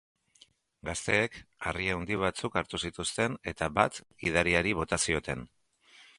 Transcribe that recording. Gazteek harri handi batzuk hartu zituzten eta bat gidariari bota zioten.